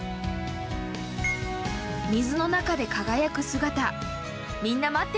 水の中で輝く姿。